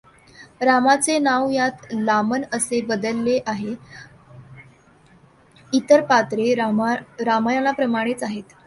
रामाचे नाव यात लामन असे बदलले आहे; इतर पात्रे रामायणाप्रमाणेच आहेत.